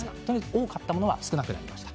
多かったものが少なくなっています。